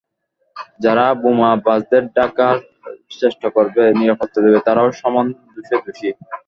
যারা বোমাবাজদের ঢাকার চেষ্টা করবে, নিরাপত্তা দেবে, তারাও সমান দোষে দোষী।